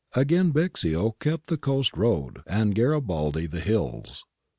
Again Bixio kept the coast road and Gari baldi the hills.